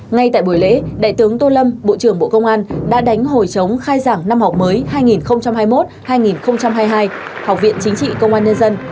ngay tại buổi lễ đại tướng tô lâm bộ trưởng bộ công an đã đánh hồi chống khai giảng năm học mới hai nghìn hai mươi một hai nghìn hai mươi hai học viện chính trị công an nhân dân